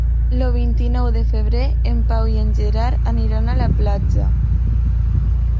El vint-i-nou de febrer en Pau i en Gerard aniran a la platja.